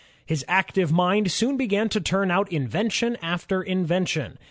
His active mind soon began to turn out invention after invention.